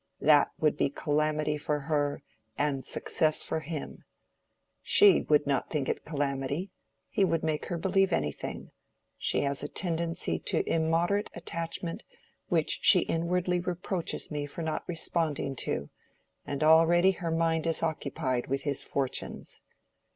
That would be calamity for her and success for him. She would not think it calamity: he would make her believe anything; she has a tendency to immoderate attachment which she inwardly reproaches me for not responding to, and already her mind is occupied with his fortunes.